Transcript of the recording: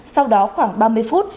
sau đó khoảng ba mươi phút